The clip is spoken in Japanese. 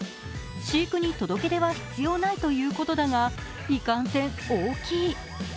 飼育に届け出は必要ないということだが、いかんせん大きい。